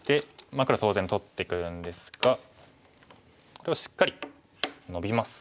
まあ黒当然取ってくるんですがこれをしっかりノビます。